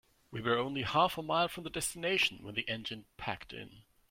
We were only half a mile from the destination when the engine packed in.